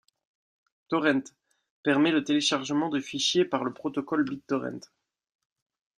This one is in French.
Torrents - Permet le téléchargement de fichier par le protocole bittorrent.